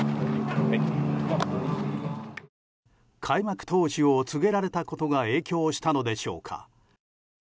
開幕投手を告げられたことが影響したのでしょうか。